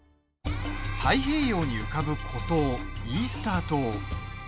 太平洋に浮かぶ孤島イースター島。